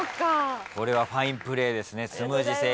これはファインプレーですね「つむじ」